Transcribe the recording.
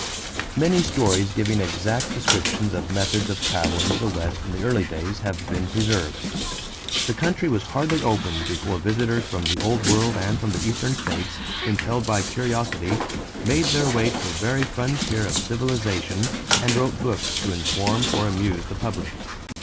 = Many stories giving exact descriptions of methods of travel into the West in the early days have been preserved. The country was hardly opened before visitors from the Old World and from the Eastern states, impelled by curiosity, made their way to the very frontier of civilization and wrote books to inform or amuse the public.